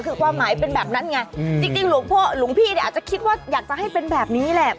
คือความหมายเป็นแบบนั้นไงจริงหลวงพ่อหลวงพี่เนี่ยอาจจะคิดว่าอยากจะให้เป็นแบบนี้แหละ